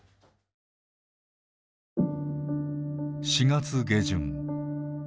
４月下旬